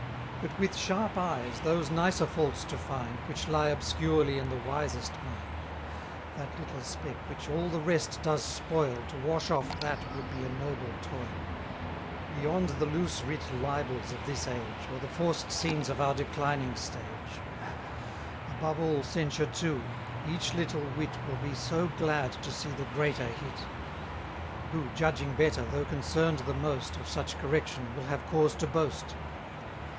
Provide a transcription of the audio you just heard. But with sharp eyes those nicer faults to find, Which lie obscurely in the wisest mind; That little speck which all the rest does spoil, To wash off that would be a noble toil; Beyond the loose writ libels of this age, Or the forced scenes of our declining stage; Above all censure too, each little wit Will be so glad to see the greater hit; 40 Who, judging better, though concern'd the most, Of such correction, will have cause to boast.